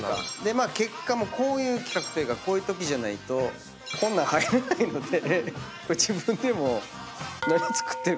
結果こういう企画というかこういうときじゃないとこんな入らないので。